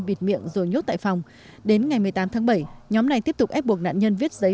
bịt miệng rồi nhốt tại phòng đến ngày một mươi tám tháng bảy nhóm này tiếp tục ép buộc nạn nhân viết giấy